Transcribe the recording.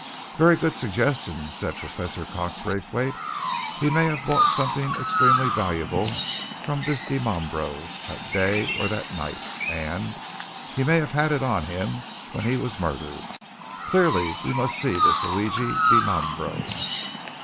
"Very good suggestion," said Professor Cox Raythwaite. "He may have bought something extremely valuable from this Dimambro that day, or that night, and he may have had it on him when he was murdered. Clearly, we must see this Luigi Dimambro!"